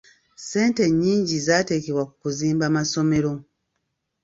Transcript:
Ssente nnyingi zaateekebwa ku kuzimba masomero.